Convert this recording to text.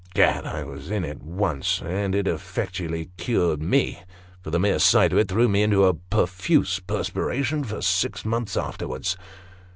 'Gad, I was in it once, and it effectually cured me, for the mere sight of it threw me into a profuse perspiration for six months afterwards."